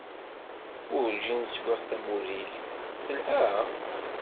Werǧin swiɣ tamurrigt. Telha?